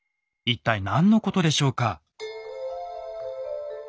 一体何のことでしょうか？